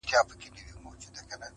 o خپل عېب د اوږو منځ دئ.